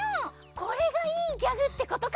これがいいギャグってことか！